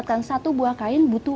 terus saya mau coba air yang inventor